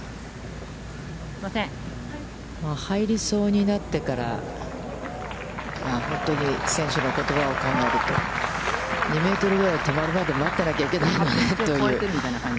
入りそうになってから、本当に選手のことを考えると、２メートルぐらい手前まで持ってなきゃいけないのでという。